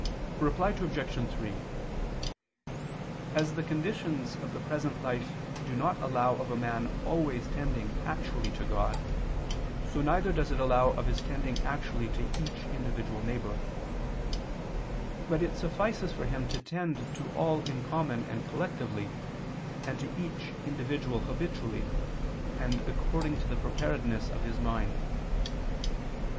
Reply Obj. 3: As the conditions of the present life do not allow of a man always tending actually to God, so neither does it allow of his tending actually to each individual neighbor; but it suffices for him to tend to all in common and collectively, and to each individual habitually and according to the preparedness of his mind.